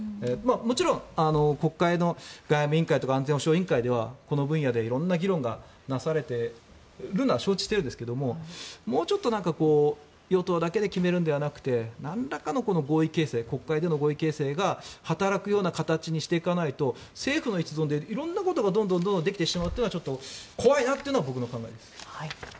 もちろん、国会の外務委員会とか安全保障委員会ではこの分野で色んな議論がなされているのは承知しているんですがもうちょっと与党だけで決めるのではなくなんらかの国会での合意形成が働くような形にしていかないと政府の一存で色んなことがどんどんできてしまうというのはちょっと怖いなというのが僕の考えです。